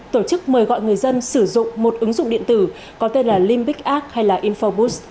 tổ chức mời gọi người dân sử dụng một ứng dụng điện tử có tên là limbic arc hay infoboost